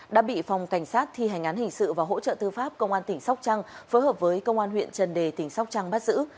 đã bị phòng cảnh sát thi hành án hình sự và hỗ trợ tư pháp công an tỉnh sóc trăng phối hợp với công an huyện trần đề tỉnh sóc trăng bắt giữ